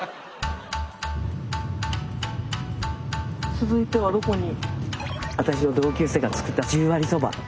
続いてはどこに？